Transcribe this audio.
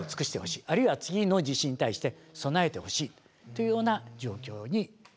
あるいは次の地震に対して備えてほしいというような状況にしようとしています。